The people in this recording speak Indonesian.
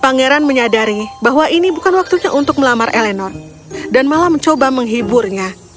pangeran menyadari bahwa ini bukan waktunya untuk melamar elenor dan malah mencoba menghiburnya